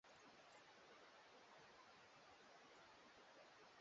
Sehemu kubwa kabisa huishi sehemu za pwani Lugha kuu ni Kiarabu